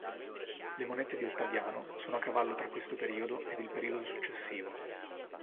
Le monete di Ottaviano sono a cavallo tra questo periodo ed il periodo successivo.